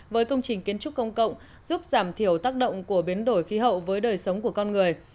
với công trình kiến trúc công cộng giúp giảm thiểu tác động của biến đổi khí hậu với đời sống của con người